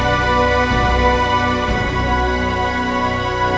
aku juga kangen sama mama